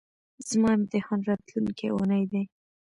زما امتحان راتلونکۍ اونۍ ده